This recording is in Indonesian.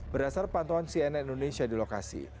berasa pantauan cnn indonesia di lokasi